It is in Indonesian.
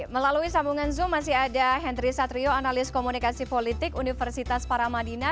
melalui sambungan zoom masih ada henry satrio analis komunikasi politik universitas paramadina